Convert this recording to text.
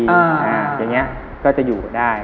อย่างนี้ก็จะอยู่ได้